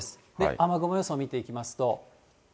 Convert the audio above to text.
雨雲予想見ていきますと。